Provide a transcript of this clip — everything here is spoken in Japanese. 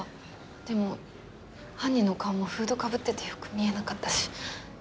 でも犯人の顔もフードかぶっててよく見えなかったし。